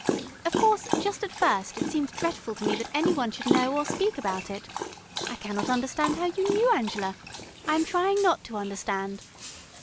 Of course, just at first, it seemed dretful to me that any one should know or speak about it. I cannot understand how you knew, Angela; I am trying not to understand...."